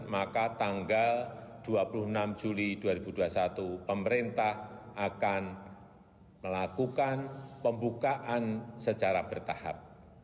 maka tanggal dua puluh enam juli dua ribu dua puluh satu pemerintah akan melakukan pembukaan secara bertahap